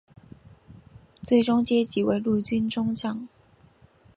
最终阶级为陆军中将。